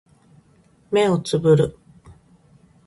目をつぶる